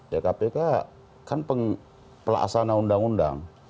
ya kpk kan pelaksana undang undang